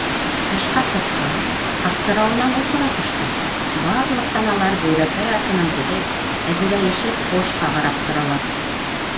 Тышҡа сыҡһа, аптырауынан ултыра төштө: барлыҡ таналары Бөйрәкәй артынан килеп, әзерәйешеп ҡыуышҡа ҡарап торалар.